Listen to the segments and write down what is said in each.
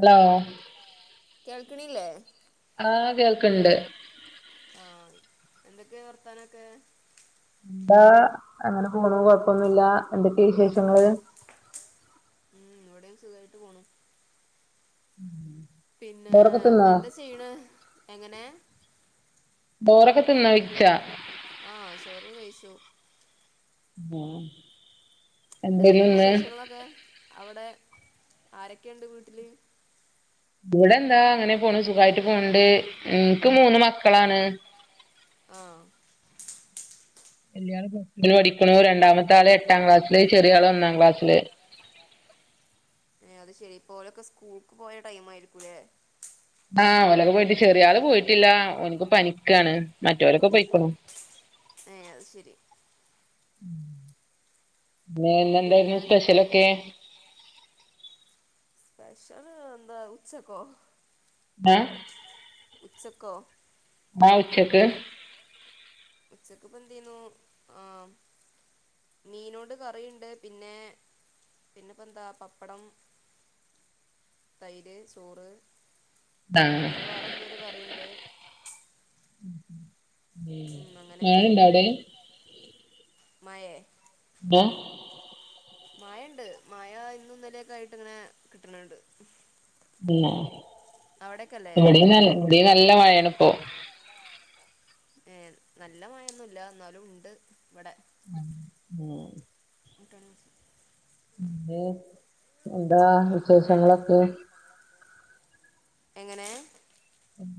Hello കേൾക്കണില്ലേ ആ കേൾക്ക്ണ്ട് ആ എന്തൊക്കെയ വർത്താനൊക്കെ എന്താ അങ്ങനെ പോണു കൊഴപ്പൊന്നില്ല്യ എ വിശേഷങ്ങള് ഉം ഇവിടെയും സുഖായിട്ട് പോണു ഉം പിന്നെ എന്താ ചെയ്ണ് എങ്ങനെ ബോറൊക്കെ തിന്നാ വിച്ച ആ ചോറ് കഴിച്ചു ആ എന്തൊക്കെയ വിശേഷങ്ങളൊക്കെ അവിടെ ആരൊക്കെയുണ്ട് വീട്ടില് ഇവിടെ എന്താ അങ്ങനെ പോണ് സുഖായിട്ട് പോണണ്ട് നിക്ക് മൂന്ന് മക്കളാണ് ആ എ പഠിക്ക രണ്ടാമത്തെ ആള് എട്ടാം ക്ലാസ്സില് ചെറിയ ആള് ഒന്നാം ക്ലാസ്സില് ഏ അത് ശെരിപ്പോലൊക്കെ സ്കൂൾക്ക് പോയ ടൈം ആയിരിക്കൂലേ ആ ഓനൊക്കെ പോയിട്ട് ചെറിയള് പോയിട്ടില്ല ഓനിക്ക് പനിക്കാണ് മറ്റൊരൊക്കെ പോയികുണു ഏ അത് ശരി പിന്നെ ഇന്നെന്തേര്ന്നു സ്പെഷ്യലൊക്കെ സ്പെഷല ന്ത ഉച്ചക്കോ ഏ ഉച്ചക്കോ ആ ഉച്ചക്ക് ഉച്ചക്ക്പ്പ എന്ത്യുന്നു ആ മീനോണ്ട് കറിയുണ്ട് പിന്നെ പിന്നെപ്പ ന്താ പപ്പടം തൈര് ചോറ് ആഹ് പിന്നെ വേറെന്തോ ഒരു കറിണ്ട് ഉ ഉം ആണ അങ്ങനെയൊക്കെന്നെ ഇണ്ട അവിടെ മയേ ആ മയണ്ട് മയ ഇന്ന ഇന്നലൊക്കെ ആയിട്ട് ഇങ്ങനെ കിട്ടണണ്ട് ഉ അവിടെക്കല്ലേ ഇവിടെ ന ഇവിടെ നല്ല മഴാണ് ഇപ്പോ ഏ നല്ല മഴൊന്നുമല്ല എന്നാലും ഉണ്ട് ഇവിടെ ഉ ട്ടണ അ എന്താ വിശേഷങ്ങളൊക്കെ എങ്ങനെ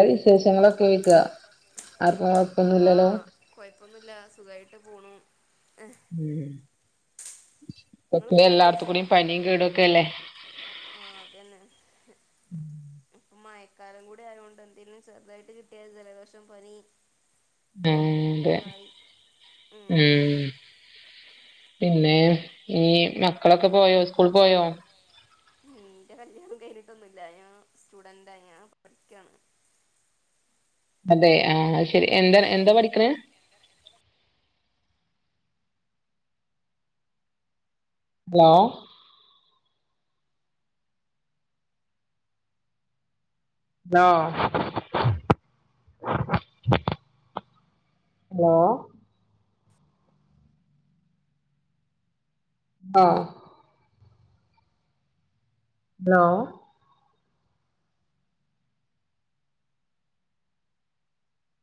എ വിശേഷങ്ങളൊക്കെ വക്ക ആർക്കും കൊഴപ്പൊന്നുമല്ലല്ലോ ഇല്ല സുഖായിട്ട് പോണു ഉം പക്ക നിങ്ങള് ഫുഡൊക്കെ എല്ലായിടത്തും കഴിച്ചോ കൂടെ പനിയും കേടും ഒക്കെല്ലേ ആ അതന്നെ ഏ ഉ ഇപ്പൊ മഴക്കാലം കൂടി അതുകൊണ്ട് എന്തേങ്കിലും ചെറുതായിട്ട് കിട്ടിയത് ജലദോഷം പനി ആ അതെ ഒക്കായി ഉം പിന്നെ ഈ മക്കളൊക്കെ പോയോ സ്കൂൾ പോയോ ഉ ന്റെ കല്യാണം കഴിഞ്ഞിട്ടൊന്നുല്ല ഞൻ സ്റ്റുഡന്റ ഞാൻ പഠിക്കാണ് അതെ ആ ശരി എന്താ എന്താ പഠിക്കണ ഹലോ ഹലോ ഹലോ ഓ ഹലോ?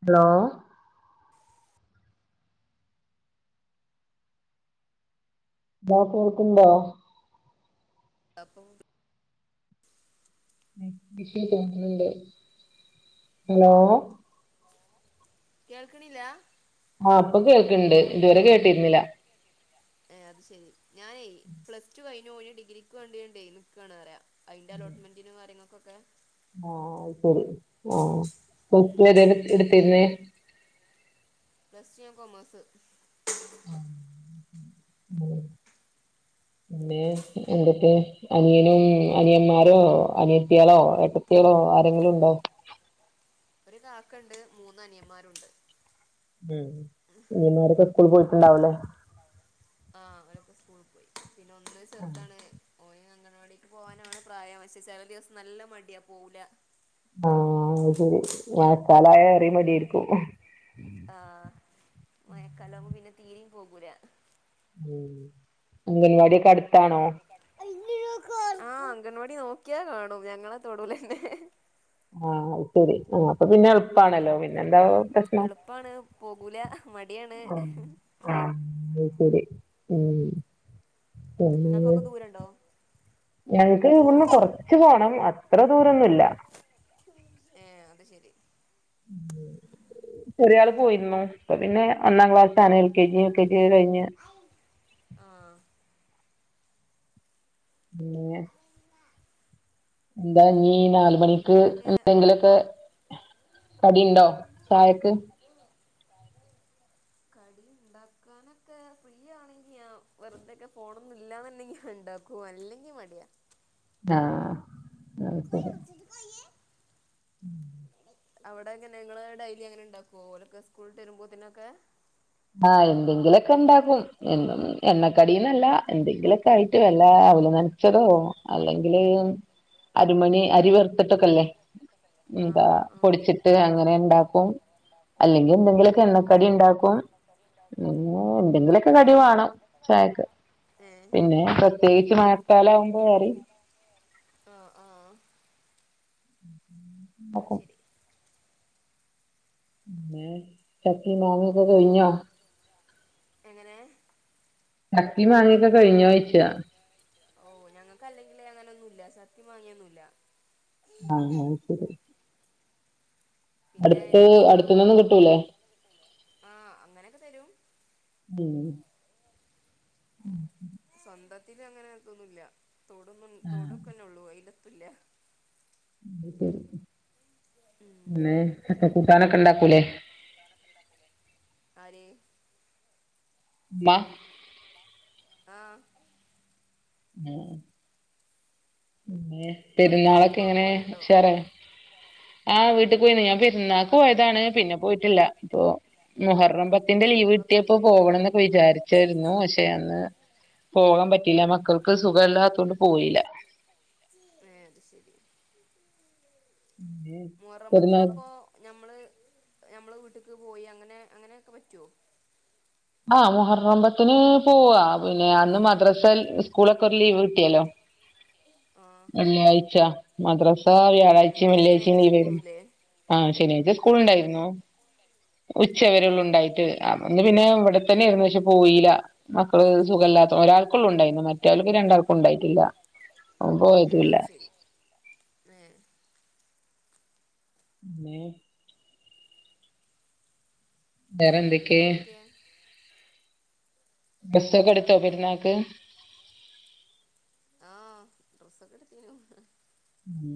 ഹലോ? ഹലോ കേൾക്കുണ്ടോ? എന്താപ്പോ [unintelligible] ഹലോ? കേൾക്കണില്ല. ആഹ പ്പൊ കേക്കണ്ട് ഇതുവരെ കേട്ടിരുന്നില്ല. ഏ അത് ശരി ഞാനയ് പ്ലസ് ടു കഴിഞ്ഞു. ഇനി ഡിഗ്രിക്ക് വണ്ടിണ്ടേ നിക്കുകണ് അ പറയാ അയി ന്റെ അലോട്ട്മെന്റിനും കാര്യങ്ങൾക്കൊക്കെ. ആഹ ശരി ആഹ കൊ ഉം എടുത്തിരുന്നേ പ്ലസ് ടു കോമഴസ്. ഉ [inaudible] പിന്നെ എന്തൊക്കെ അനിയനും അനിയന്മാരോ അനിയത്തികളോ ഏട്ടത്തിളോ? ളോ ആരെങ്കിലും ഉണ്ടോ? ഒരു കാക്കുണ്ട്. മൂന്ന് അനിയന്മാരുണ്ട്. ഉം അനിയന്മാരൊക്കെ സ്കൂൾ പോയിട്ടുണ്ടാവലേ? ആഹ അവരൊക്കെ സ്കൂളിൽ പോയി. പിന്നെ ഒന്ന് ആ ചെറുതാണ്. ഓനെ അങ്കണവാടിേക്ക് പോകാനാണ് പ്രായം. പക്ഷെ ചില ദിവസം നല്ല മടിയാ പോവൂല. ആഹ അ ശരി മഴക്കാല ആയാൽ ഏറി മടിയായിരിക്കും. ആഹ മഴക്കാല ആകുമ്പോ തീരിയും പോകൂല. ഉ അംഗൻവാടിൊക്കെ അടുത്താണോ? [inaudible] അംഗൻവാടി നോക്കിയാ കാണും ഞങ്ങളെ തൊടുലന്നെ. ആഹ ശരി ആ അപ്പൊ പിന്നെ എളുപ്പാണല്ലോ പിന്നെ എന്താ. എളുപ്പാണ് പോകൂല മടിയാണ്. ആഹ് ആഹ് അത് ശരി ഉം പിന്നെ നിങ്ങൾക്കൊക്കെ ദൂരണ്ടോ? ഞങ്ങക്ക് ഇവിന്ന് കുറച്ചു പോകണം അത്ര ദൂരൊന്നുമില്ല. ഏഹ് അത് ശെരി. [unintelligible] ചെറിയ ആൾ പോയിരുന്നു. അപ്പൊ പിന്നെ ഒന്നാം ക്ലാസ് [unintelligible] എൽകെജി യുകെജി ഒക്കെ കഴിഞ്ഞ്. ആഹ് പിന്നെ എന്താ നീ നാലുമണിക്ക് പിന്നെന്തൊക്കെ എന്തെങ്കിലൊക്കെ കടി ഉണ്ടോ ചായക്ക്. [unintelligible] ഉണ്ടാക്കാൻ ഒക്കെ ഫ്രീയാണെങ്കിൽ. ഞാൻ വെറു തൊക്കെ ഫോൺ ഒന്നുമില്ല എന്നുണ്ടെങ്കിൽ ഉണ്ടാക്കും. അല്ലെങ്കി മടിയാ. ആഹ ഉം [inaudible] അവിടെ അങ്ങനെ ഇങ്ങള് ഡെയിലി അങ്ങനെ ഉണ്ടാകുകോ ഒലാക്കേ സ്കൂൾ വിട്ടു വരുമ്പോൾ അതിനൊക്കെ? ആഹ എന്തെങ്കിലൊക്കെ ഉണ്ടാക്കും. എണ്ണക്കടിന്നല്ല എന്തെങ്കിലൊക്കെ ആയിട്ട് വല്ല അവിൽ നനച്ചതോ അല്ലെങ്കില് അരമണി അരി വെർത്തിട്ടൊക്കെല്ലേ? എന്താ ആഹ് ആഹ് ആഹ് പൊടിച്ചിട്ട് അങ്ങനെ ഇണ്ടാക്കും. അല്ലെങ്കിൽ എന്തെങ്കിലുമൊക്കെ ഉം എണ്ണക്കാടി ഉണ്ടാക്കും. [unintelligible] എന്തെങ്കിലുമൊക്കെ അത് ശെരി കടിവണം. ചായക്ക്. ഏഹ് പിന്നെ പ്രത്യേകിച്ച് മഴക്കാലകുമ്പോൾ എറിം ആഹ ആഹ അത് ഇണ്ടാക്കും ശരി. പിന്നെചാക്കിം, മാങ്ങയും ഇബടിം കഴിഞ്ഞോ? എങ്ങനെ? ചക്കി മാങ്ങിയൊക്കെ കഴിഞ്ഞോ [inaudible] ഓ ഞങ്ങക്ക് അല്ലെങ്കിലിൽ അങ്ങന ഒന്നു മില്ല ചക്കിം മാങ്ങ യൊന്നുല്ല ആ എന്നാ ശരി പിന്നെ അടുത്ത് അടുത്ത്ന്നൊന്നും കിട്ടൂല്ലേ ആഹൾഅങ്ങനൊക്കെ തരും ഉം ഉം [unintelligible] തൊടു ആഹ് തൊടുക്കെന്നെയൊള്ളു അയിലത്തുല്ല അത് ഉം ശരിപിന്നെ - കൂട്ടാനൊക്കെ ഇണ്ടാക്കൂലേ ആര് ഇമ്മ ആ [unintelligible] ഇങ്ങള് ഇങ്ങളെ പെരുന്നാളൊക്കെ വീട്ട്ക്കൊക്കെ എങ്ങനേ പോവല്ണ്ടോ ഷാറാ ആ വീട്ടി പോയിന്നു ഞാൻ പെരുന്നാ പോയതാണ് പിന്നെ പോയിട്ടില്ലാ പോ ഉം പിന്നെ മുഹറമ്പത്തിന്റെ ലീവ് സ്കൂളൊക്കെ കിട്ടിയപ്പോ ആയില്ലേ പോകണംന്നക്കെ വിചാരിച്ചാരുന്നു പക്ഷേ അന്ന് പോകാൻ പറ്റിയില്ല മക്കൾക്ക് സുഖല്ലാത്തോണ്ട് പോയില്ല അത് ശരി മുഹറം പെരുന്നാ പത്തിനപ്പോ ഞമ്മള് നമ്മള് വീട്ടിക്ക് പോയി അങ്ങനേ അങ്ങനെയക്കെ പറ്റുവോ ആ മുഹറമ്പത്തിന് പോകാ പിന്നെ അന്ന് മദ്രസൽ സ്കൂളൊക്കെ ഒരു ലീവ് കിട്ടിയല്ലോ ആഹ് വെള്ളിയാഴ്ച മദ്രസാ ഉം വ്യാഴാഴ്ചയും പിന്നെ വെള്ളിയാഴ്ചയും ശനിയാഴ്ച ലീവ് ആരുന്നു സ്കൂളൂല്ലേ ആ ശനിയാഴ്ച സ്കൂൾ ഉണ്ടായിരുന്നൂ ഉച്ച വെരെള്ളു ആഹ് ഉണ്ടായിട്ട് അതോണ്ട് പിന്നേ വ് ടെത്തന്നെയാരുന്നു പക്ഷെ പോയിലാ [unintelligible] ഓള് സുഖല്ലാത്ത ഏ ഒരാൾക്കുള്ള് ഉണ്ടായിന്നു മറ്റേയൾക്ക് രണ്ടാൾക്കും ഉണ്ടായിട്ടില്ല അവൻ ഏ പോയതൂല്ല അത് ശരി [unintelligible] [unintelligible] വേറെ എന്തൊക്കേ പിന്നെന്തൊക്കെയ ഡ്രസ്സൊക്കെ എടുത്തോ വേറെന്താ പെരുന്നാക്ക് ആ ഡ്രസ്സൊക്കെ എടുത്തീനു ഉം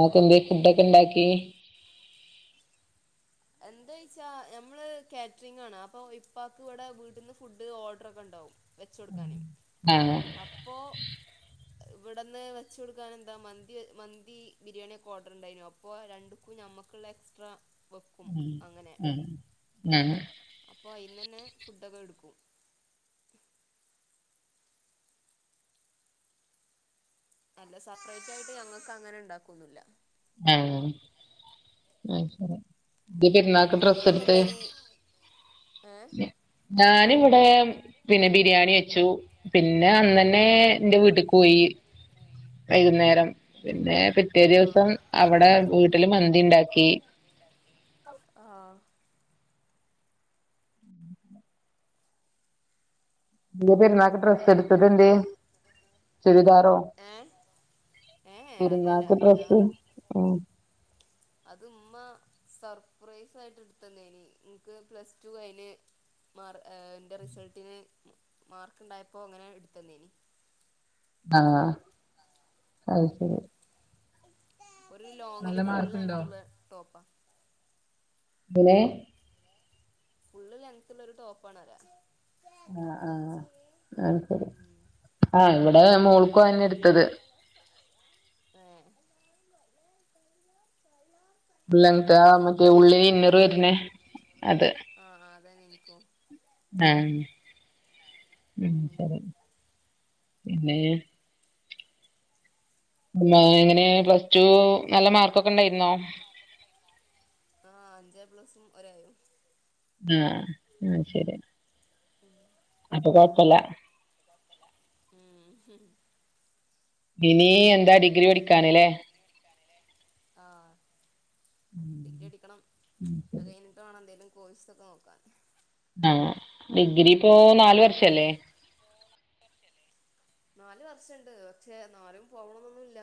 നിങ്ങളൊക്കെ എടുത്തില്ലേ ഫുഡൊക്കെ ഇണ്ടാക്കീ എന്ത്‌ കയിച്ചാ ഞമ്മള് കാറ്ററിംഗ് ആണ് അപ്പൊ ഇപ്പാക്ക് ഇവിടെ വീട്ട്ന്ന് ഫുഡ് ഓർഡർ ഒക്കെ ഒണ്ടാവും വെച്ചൊടുക്കാനേ ആഹ് അപ്പോ ഇവിടന്ന് വെച്ച് കൊടുക്കാൻ എന്താ മന്തി മന്തീ ബിരിയാണി ഒക്കെ ഓർഡർണ്ടായിനു അപ്പോ രണ്ടുക്കു ഞാ നമ്മക്കുള്ള എക്സ്ട്രാ [unintelligible] ഉം ഉം ആ അപ്പോ അയിന്നന്നെ ഫുഡൊക്കെ എടുക്കും അല്ല സെപ്പറേറ്റ് ആയിട്ട് ഞങ്ങക്ക് അങ്ങനെ ഇണ്ടാക്കുന്നില്ല ആ അയ്ശരി ഇത് പെരുന്നാക്ക് ഡ്രസ്സ് നിങ്ങളൊക്കെ എടുത്തേ എന്തേനി ഏ [unintelligible] ഞാനിവിടേ പിന്നെ ബിരിയാണി വെച്ചു പി ന്നെ അന്നന്നേ എന്റെ വീട്ട്ക്ക് പോയി വൈകുന്നേരം പിന്നേ പിറ്റേ ദിവസം അവടെ വീട്ടില് മന്തിണ്ടാക്കീ. ആഹ് ല്യ പെരുന്നാൾക്ക് ഉം ഡ്രസ്സ് എടുത്തത് എന്ത്യേ ചുരിദാറോ ഏ ഏ അല്ലല്ല പെരുന്നാക്ക് ഡ്രസ്സ് ഞാൻ ഉം അത് ഉമ്മ സർപ്രൈസ് ആയിട്ട് എടുത്തന്നേനി എനിക്ക് പ്ലസ് ടൂ കയിന് മാർ ഏ എന്റെ റിസൾട്ടിന് മാർക്ക് ഉണ്ടായപ്പോ അങ്ങനെ എടുത്തന്നേനി ആ അത് ശരി നല്ല ലോങ്ങില് ഫുൾ മാർക്കുണ്ടോ ലെങ്ത് ഉള്ള ടോപ്പാ എങ്ങനെ ഫുള്ള് ലെങ്ത്തുള്ളോരു ടോപ്പണാത് ആ ആ അത്ശെരി ഉം ആ ഇവിടേ മോൾക്കും അയന്നെ എടുത്തത് ഏ.... ലെങ്താ ആ മറ്റേ ഉള്ളില് ഇന്നറ് വരുന്നേ അത് അതെന്നെ എനിക്കും ആ ഉം ശരി പിന്നേ എങ്ങനേ പ്ലസ് ടൂ നല്ല മാർക്കൊക്കെ ഒണ്ടായിരുന്നോ എ പ്ലെസും ഒരെയും ആ ആ ശരി അപ്പൊ കൊഴപ്പല്ല ഉം ഇനി എന്താ ഡിഗ്രി പഠിക്കാന്ലേ ആ ഡിഗ്രി ഉം എട്ക്കണം അതു ശരി കഴിഞ്ഞിട്ട് വേണം എന്തേലും കോഴ്സ്സൊക്കെ നോക്കാൻ ആ ഡിഗ്രി ഇപ്പോ നാലു വർഷല്ലേ നാലു വർഷണ്ട് പക്ഷെ നാലും പോവണന്നൊന്നുല്ല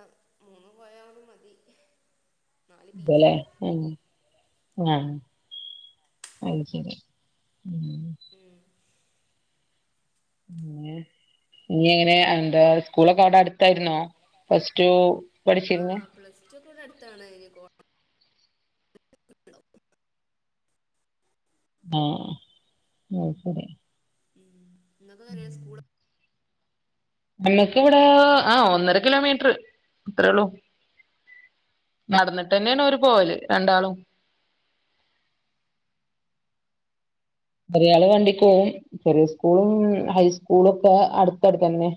മൂന്ന്പോയാലും മതി നാല് പി പോലെ ജിയാണ് ആ ആ അയ് ശരി ഉം ഉം ഇങ്ങനെ എന്താ സ്കൂളൊക്കെ അവിടെ അടുത്താരുന്നോ പ്ലസ്റ്റു പഠിച്ചിരുന്നേ താണ് ഈ കോ ആ മൂപ്പര് ഇന്നൊക്കെ വരെ സ്കൂള് നമ്മക്ക് ഇവിടെ ആ ഒന്നര കിലോമീറ്റർ അത്രേള്ളൂ നടന്നിട്ട് തന്നെയാണ് അവര് പോവല് രണ്ടാളും ഒരാള് വണ്ടിക്ക് പോവും ചെറിയ സ്കൂളും ഹൈസ്കൂളൊക്കെ അടുത്തടു തന്നെ